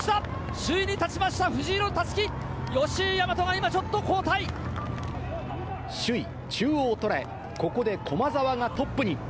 首位に立ちました、藤色のたすき、吉居大和が今、首位、中央を捉え、ここで駒澤がトップに。